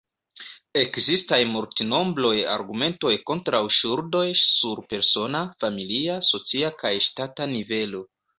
Ekzistaj multnombraj argumentoj kontraŭ ŝuldoj sur persona, familia, socia kaj ŝtata nivelo.